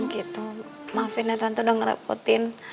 gitu maafin ya tante udah ngerepotin